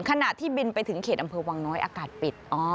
ขณะที่บินไปถึงเขตอำเภอวังน้อยอากาศปิด